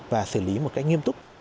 và xử lý một cách nghiêm túc